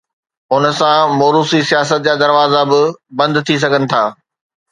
ان سان موروثي سياست جا دروازا به بند ٿي سگهن ٿا.